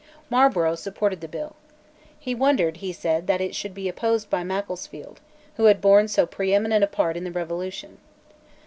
Marlborough supported the bill. He wondered, he said, that it should be opposed by Macclesfield, who had borne so preeminent a part in the Revolution.